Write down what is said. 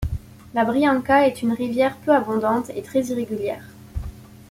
La Brianka est une rivière peu abondante et très irrégulière.